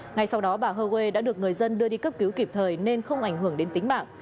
ngay sau đó bà hơ đã được người dân đưa đi cấp cứu kịp thời nên không ảnh hưởng đến tính mạng